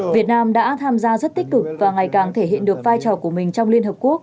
việt nam đã tham gia rất tích cực và ngày càng thể hiện được vai trò của mình trong liên hợp quốc